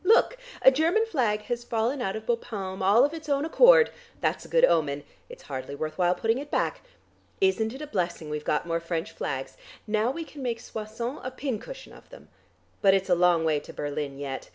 Look! A German flag has fallen out of Bapaume all of its own accord; that's a good omen, it's hardly worth while putting it back. Isn't it a blessing we've got more French flags? Now we can make Soissons a pin cushion of them. But it's a long way to Berlin yet.